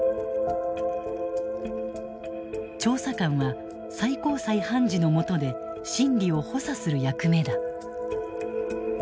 調査官は最高裁判事のもとで審理を補佐する役目だ。